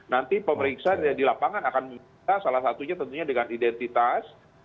nanti pemeriksaan di lapangan akan salah satunya tentunya dengan identitas